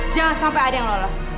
jangan sampai ada yang lolos